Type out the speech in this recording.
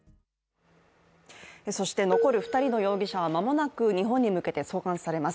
そして残る２人の容疑者は間もなく日本に向けて送還されます。